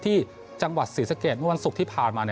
ที่จังหวัดศรีสะเกดเมื่อวันศุกร์ที่ผ่านมา